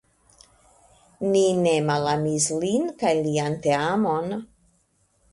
Ni ne malamis lin kaj lian teamon.